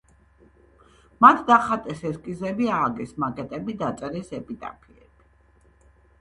მათ დახატეს ესკიზები, ააგეს მაკეტები, დაწერეს ეპიტაფიები.